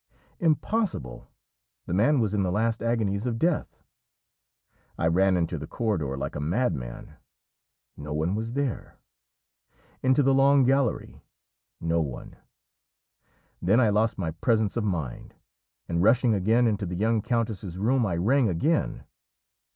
Impossible! the man was in the last agonies of death. I ran into the corridor like a madman. No one was there! Into the long gallery no one! Then I lost my presence of mind, and rushing again into the young countess's room, I rang again.